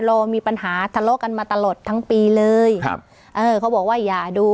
เรามีปัญหาทะเลาะกันมาตลอดทั้งปีเลยครับเออเขาบอกว่าอย่าดู